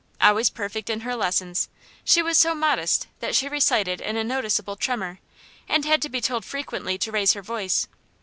Always perfect in her lessons, she was so modest that she recited in a noticeable tremor, and had to be told frequently to raise her voice.